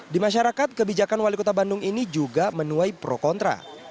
di masyarakat kebijakan wali kota bandung ini juga menuai pro kontra